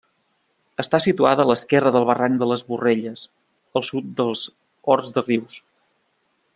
Està situada a l'esquerra del barranc de les Borrelles, al sud dels Horts de Rius.